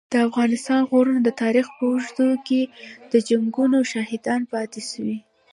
د افغانستان غرونه د تاریخ په اوږدو کي د جنګونو شاهدان پاته سوي.